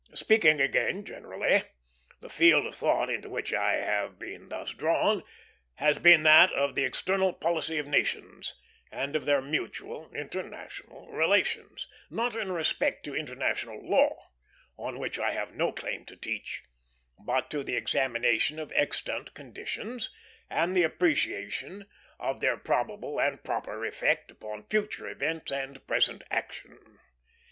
Speaking again generally, the field of thought into which I have been thus drawn has been that of the external policy of nations, and of their mutual international relations; not in respect to international law, on which I have no claim to teach, but to the examination of extant conditions, and the appreciation of their probable and proper effect upon future events and present action.